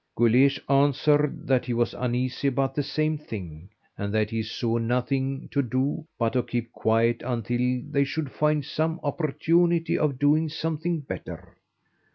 Guleesh answered that he was uneasy about the same thing, and that he saw nothing to do but to keep quiet until they should find some opportunity of doing something better.